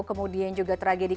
kemudian juga tragedi